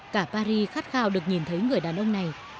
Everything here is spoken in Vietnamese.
cả paris khát khao được nhìn thấy người đàn ông này